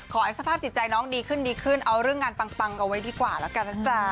ขอสภาพติดใจน้องดีขึ้นเอารื่องงานปังเอาไว้ดีกว่าแล้วกันนะจ๊ะ